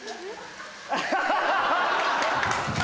アッハハハ！